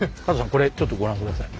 これちょっとご覧下さい。